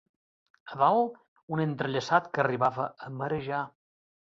A dalt, un entrellaçat que arribava a marejar